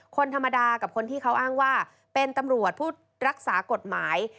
คนธรรมดากับคนที่เขาอ้างว่าเป็นตำรวจผู้รักษากฎหมาย